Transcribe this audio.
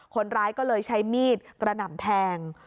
คนร้ายก็เลยใช้มีดกระหน่ำแทง